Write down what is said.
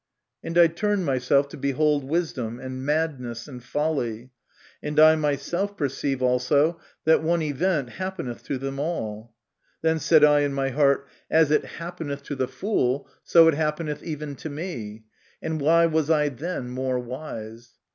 "And I turned myself to behold wisdom, and madness, and folly. ... And I myself perceive also that one event happeneth to them all. Then said I in my heart, As it happeneth GO MY CONFESSION. to the fool, so it happeneth even to me ; and why was I then more wise